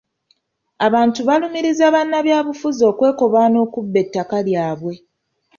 Abantu baalumirizza bannabyabufuzi okwekobaana okubba ettaka lyabwe.